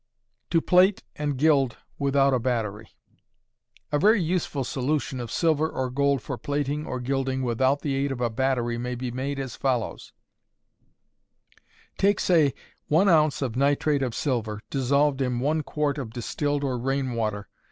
To Plate and Gild without a Battery. A very useful solution of silver or gold for plating or gilding without the aid of a battery may be made as follows: Take say, 1 ounce of nitrate of silver, dissolved in one quart of distilled or rain water.